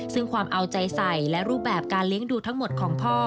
ซึ่งความเอาใจใส่และรูปแบบการเลี้ยงดูทั้งหมดของพ่อ